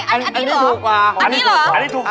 อันนี้ถูกค่ะ